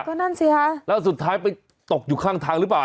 ก็นั่นสิฮะแล้วสุดท้ายไปตกอยู่ข้างทางหรือเปล่า